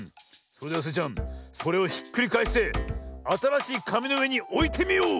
それではスイちゃんそれをひっくりかえしてあたらしいかみのうえにおいてみよう！